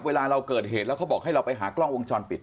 เวลาเราเกิดเหตุแล้วเขาบอกให้เราไปหากล้องวงจรปิด